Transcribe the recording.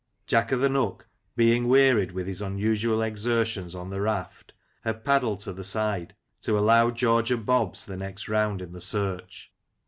Jack o'th' Nook, being wearied with his unusual exertions on the raft, had paddled to the side, to allow George o' Bob's the next round in the search.